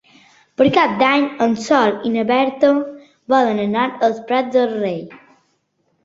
Per Cap d'Any en Sol i na Berta volen anar als Prats de Rei.